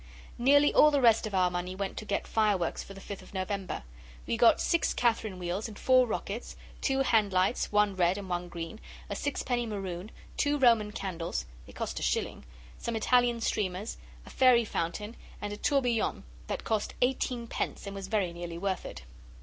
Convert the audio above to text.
Nearly all the rest of our money went to get fireworks for the Fifth of November. We got six Catherine wheels and four rockets; two hand lights, one red and one green; a sixpenny maroon; two Roman candles they cost a shilling; some Italian streamers, a fairy fountain, and a tourbillon that cost eighteen pence and was very nearly worth it.